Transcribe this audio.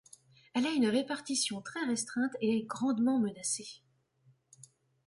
Elle a une répartition très restreinte et est grandement menacée.